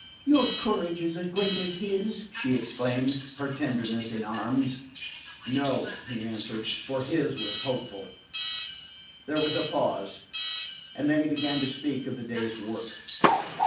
"Your courage is as great as his," she exclaimed, her tenderness in arms. "No," he answered, "for his was hopeful." There was a pause, and then he began to speak of the day's work.